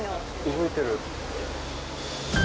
動いてる。